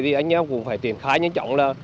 thì anh em cũng phải tiền khái nhanh chóng là